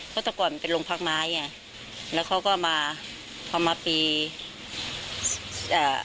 เพราะแต่ก่อนมันเป็นโรงพักไม้ไงแล้วเขาก็มาพอมาปีอ่า